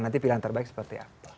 nanti pilihan terbaik seperti apa